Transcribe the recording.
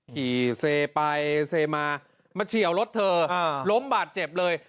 ขี่เซไปเซมามาเฉียวรถเธอล้มบาดเจ็บเลย